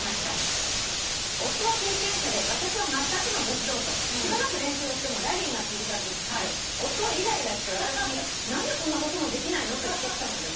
「夫は経験者で私はまったくのど素人」「しばらく練習をしてもラリーが続かず夫はイライラして私に『何でこんなこともできないの』と言ってきたのです。